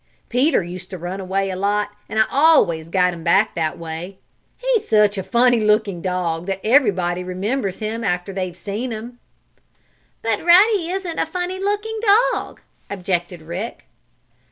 Peter used to run away a lot, and I always got him back that way. He's such a funny looking dog that everybody remembers him after they have seen him." "But Ruddy isn't a funny looking dog," objected Rick.